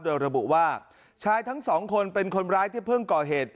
โดยระบุว่าชายทั้งสองคนเป็นคนร้ายที่เพิ่งก่อเหตุ